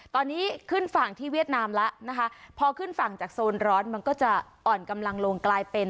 ตอนนี้ขึ้นฝั่งที่เวียดนามแล้วนะคะพอขึ้นฝั่งจากโซนร้อนมันก็จะอ่อนกำลังลงกลายเป็น